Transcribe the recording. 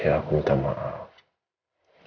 aku belum bisa mengungkapi masalah yang sebelumnya